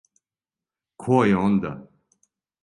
Ко је, онда?